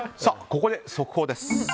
ここで速報です。